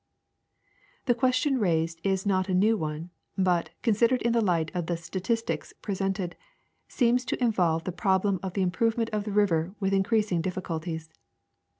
The question raised is not a new one, but, considered in the light of the statistics presented, seems to involve the problem of the improvement of the river Avith increasing difficulties.